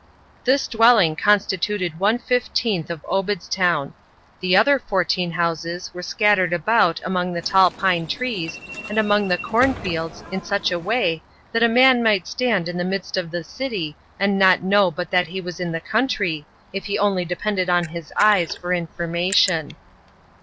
This dwelling constituted one fifteenth of Obedstown; the other fourteen houses were scattered about among the tall pine trees and among the corn fields in such a way that a man might stand in the midst of the city and not know but that he was in the country if he only depended on his eyes for information.